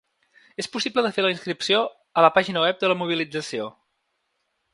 És possible de fer la inscripció a la pàgina web de la mobilització.